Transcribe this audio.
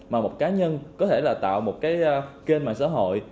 mà một cá nhân có thể là tạo một cái kênh mạng xã hội